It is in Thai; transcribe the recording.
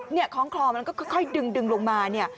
คล้องคลอมันก็ค่อยดึงลงมาเนี่ย